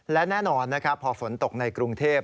และแน่นอนนะครับพอฝนตกในกรุงเทพ